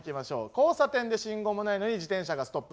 「交差点で信号もないのに自転車がストップ。